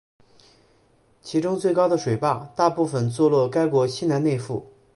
其中最高的水坝大部分坐落该国西南内腹。